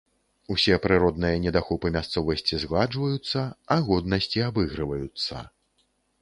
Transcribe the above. Усе прыродныя недахопы мясцовасці згладжваюцца, а годнасці абыгрываюцца.